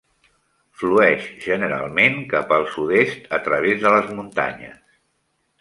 Flueix generalment cap al sud-est a través de les muntanyes.